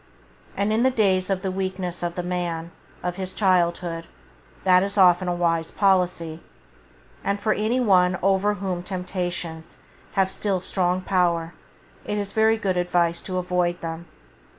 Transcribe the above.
And in the days of the weakness of the man, of his childhood, that is often a wise policy; and for any one over whom temptations have still strong power it is good advice to avoid them.